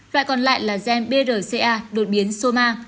loại còn lại là gen brca đột biến soma